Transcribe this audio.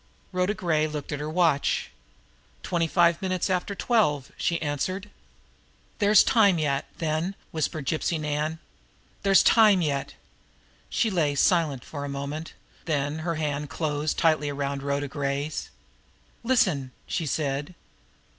Rhoda Gray looked at her watch. "Twenty five minutes after twelve," she answered. "There's time yet, then," whispered Gypsy Nan. "There's time yet." She lay silent for a moment, then her hand closed tightly around Rhoda Gray's. "Listen!" she said.